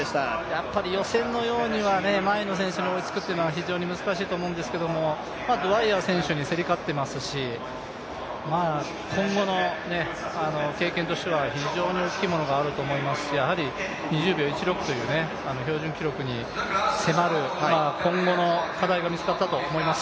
やっぱり予選のようには前の選手に追いつくというのは非常に難しいと思うんですけどドウァイヤー選手に競り勝ってますし今後の経験としては非常に大きいものがあると思いますし、２０秒１６という標準記録に迫る、今後の課題が見つかったと思います。